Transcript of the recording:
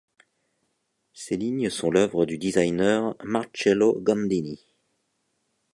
Ses lignes sont l'œuvre du designer Marcello Gandini.